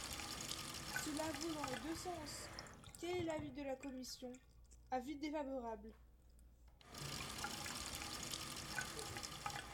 Cela vaut dans les deux sens ! Quel est l’avis de la commission ? Avis défavorable.